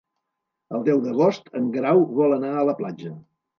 El deu d'agost en Grau vol anar a la platja.